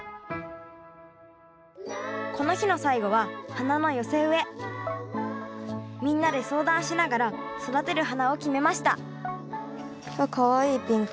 この日の最後はみんなで相談しながら育てる花を決めましたわっかわいいピンク。